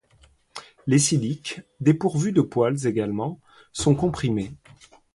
Les siliques, dépourvues de poils également, sont comprimées.